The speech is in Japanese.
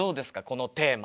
このテーマ。